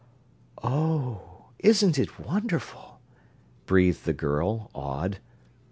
"Oh, isn't it wonderful!" breathed the girl, awed.